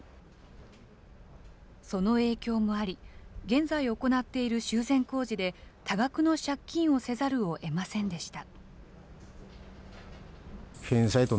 その影響もあり、現在行っている修繕工事で多額の借金をせざるをえませんでした。